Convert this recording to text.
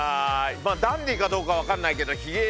まあダンディーかどうか分かんないけどおっ鋭い。